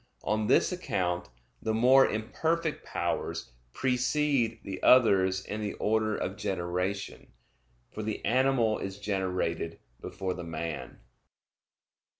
On this account, the more imperfect powers precede the others in the order of generation, for the animal is generated before the man.